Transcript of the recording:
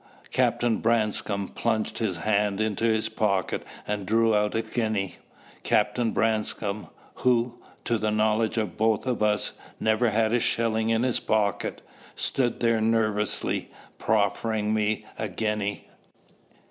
Captain Branscome plunged his hand into his pocket and drew out a guinea. Captain Branscome who, to the knowledge of both of us, never had a shilling in his pocket stood there nervously proffering me a guinea!